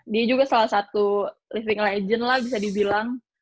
dia juga salah satu living legend lah bisa dibilang